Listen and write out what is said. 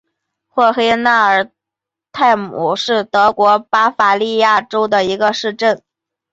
霍黑纳尔泰姆是德国巴伐利亚州的一个市镇。